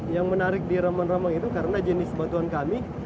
yang menarik di ramang ramang itu karena jenis bantuan kami